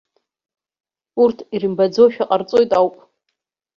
Урҭ ирымбаӡошәа ҟарҵоит ауп.